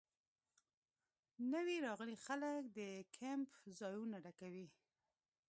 نوي راغلي خلک د کیمپ ځایونه ډکوي